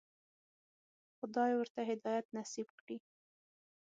خدای ورته هدایت نصیب کړی.